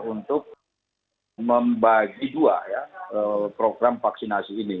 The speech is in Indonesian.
untuk membagi dua program vaksinasi ini